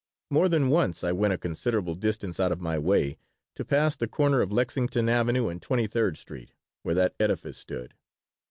More than once I went a considerable distance out of my way to pass the corner of Lexington Avenue and Twenty third Street, where that edifice stood.